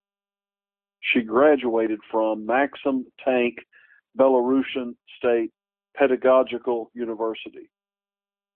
She graduated from Maxim Tank Belarusian State Pedagogical University.